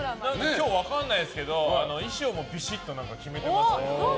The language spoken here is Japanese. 今日分かんないですけど衣装もびしっと決めてましたよ。